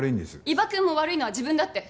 伊庭くんも「悪いのは自分だ」って。